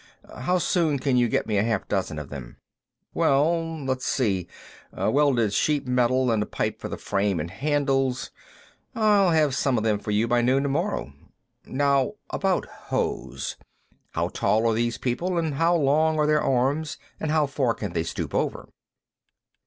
How soon can you get me half a dozen of them?" "Well, let's see. Welded sheet metal, and pipe for the frame and handles. I'll have some of them for you by noon tomorrow. Now, about hoes; how tall are these people, and how long are their arms, and how far can they stoop over?"